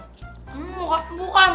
hmm bukan bukan